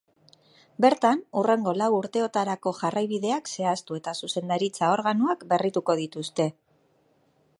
Bertan, hurrengo lau urteotarako jarraibideak zehaztu eta zuzendaritza organuak berrituko dituste.